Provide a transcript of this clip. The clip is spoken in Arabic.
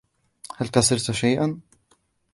هل كسرت شيئًا ؟